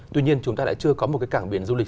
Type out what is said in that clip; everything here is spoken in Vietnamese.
tuy nhiên chúng ta lại chưa có một cái cảng biển du lịch